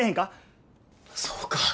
そうか。